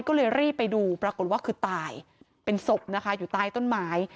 ก็เลยรีบไปดูปรากฏว่าคือตายเป็นศพนะคะอยู่ใต้ต้นไม้